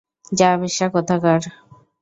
যা বেশ্যা কোথাকার!